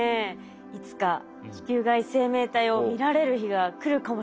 いつか地球外生命体を見られる日が来るかもしれないですね。